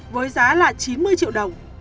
với giá là chín mươi triệu đồng